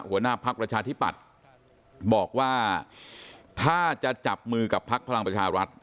หัวหน้าพักประชาธิปัตย์บอกว่าถ้าจะจับมือกับพักพลังประชารัฐ